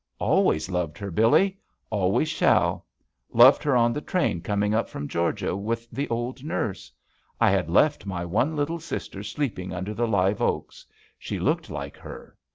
"Always loved her, Billee. Always shall. LoVcd her on the train coming up from Geor gia with the old nurse. I had left my one little sister sleeping under the liveoaks. She looked like her.